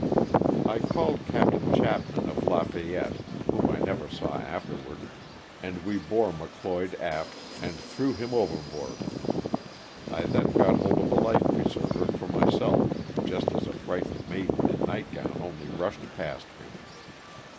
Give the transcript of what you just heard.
I called Capt. Chapman of LaFayette, whom I never saw afterward, and we bore McLoyd aft and threw him overboard. I then got hold of a life preserver for my self just as a frightened maiden in nightgown only rushed past me.